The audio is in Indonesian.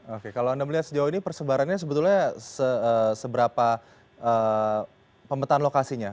oke kalau anda melihat sejauh ini persebarannya sebetulnya seberapa pemetaan lokasinya